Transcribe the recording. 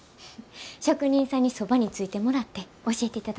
職人さんにそばについてもらって教えていただきます。